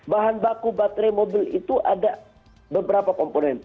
bahan baku baterai mobil itu ada beberapa komponen